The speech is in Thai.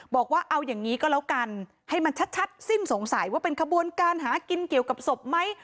บอกว่าเอาอย่างนี้ก็แล้วกันให้มันชัดสิ้นสงสัยว่าเป็นขบวนการหากินเกี่ยวกับศพไหม